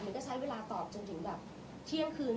ก็ใช้เวลาตอบจนถึงแบบเที่ยงคืน